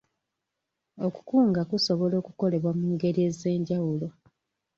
Okukunga kusobola okukolebwa mu ngeri ez'enjawulo.